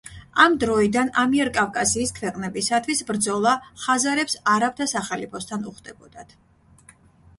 ამ დროიდან ამიერკავკასიის ქვეყნებისათვის ბრძოლა ხაზარებს არაბთა სახალიფოსთან უხდებოდათ.